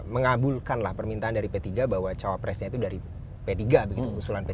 mengabulkanlah permintaan dari p tiga bahwa cawapresnya itu dari p tiga begitu usulan p tiga